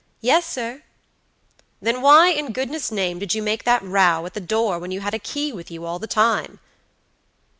"Yes, sir," "Then why, in goodness' name, did you make that row at the door, when you had a key with you all the time?"